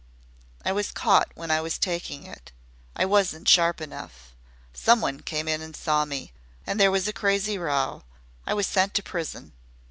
I was caught when I was taking it. I wasn't sharp enough. Someone came in and saw me, and there was a crazy row. I was sent to prison.